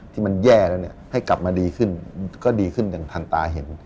ที่มันแย่แล้วเนี่ยให้กลับมาดีขึ้นก็ดีขึ้นอย่างทันตาเห็น